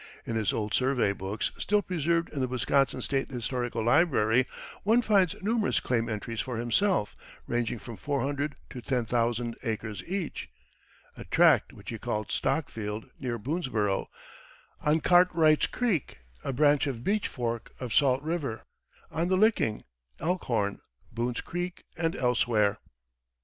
In his old survey books, still preserved in the Wisconsin State Historical Library, one finds numerous claim entries for himself, ranging from four hundred to ten thousand acres each a tract which he called "Stockfield," near Boonesborough; on Cartwright's Creek, a branch of Beech Fork of Salt River; on the Licking, Elkhorn, Boone's Creek, and elsewhere.